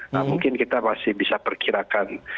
nah mungkin kita masih bisa perkirakan